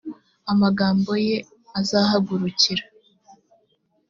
amagambo ye i azahagurukira